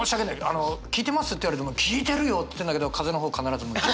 あの「聞いてます？」って言われても「聞いてるよ」っつってんだけど風の方必ず向いて。